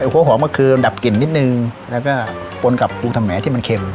หัวหอมก็คือดับกลิ่นนิดนึงแล้วก็ปนกับปูทำแห่ที่มันเค็ม